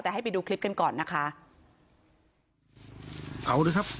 แต่ให้ไปดูคลิปกันก่อนนะคะ